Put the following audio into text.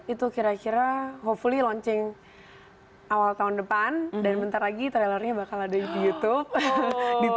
itu kira kira hopefully launching awal tahun depan dan bentar lagi trailernya bakal ada di youtube